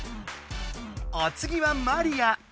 おつぎはマリア。